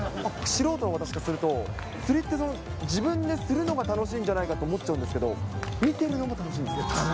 素人の私からすると、釣りって、自分で釣るのが楽しいんじゃないかって思っちゃうんですけれども、楽しい。